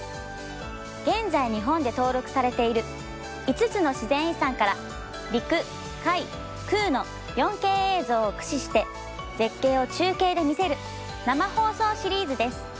現在日本で登録されている５つの自然遺産から陸・海・空の４Ｋ映像を駆使して絶景を中継で見せる生放送シリーズです。